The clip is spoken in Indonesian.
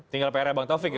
tinggal pr nya bang taufik ya